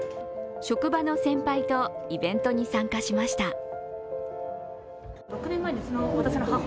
職場の先輩とイベントに参加しました。